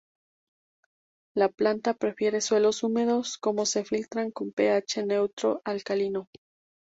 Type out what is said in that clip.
La planta prefiere suelos húmedos como se filtra con Ph neutro a alcalino.